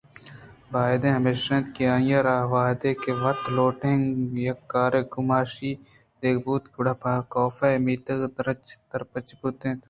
باید ہمیش اَت کہ آئی ءَ را وہدے کہ وت لوٹائینگ ءُیک کارے کماشی دیگ بوتگ گڑا پہ کاف ءَاے میتگ ءِ در پچ بوتیں اَنت